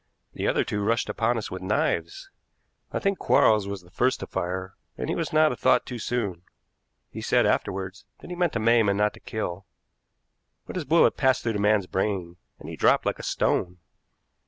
The other two rushed upon us with knives. I think Quarles was the first to fire, and he was not a thought too soon. He said afterward that he meant to maim and not to kill, but his bullet passed through the man's brain, and he dropped like a stone.